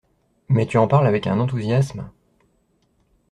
…— Mais tu en parles avec un enthousiasme …